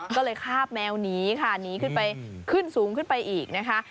ก็เลยคาบแมวหนีค่ะหนีขึ้นไปขึ้นสูงขึ้นไปอีกนะคะ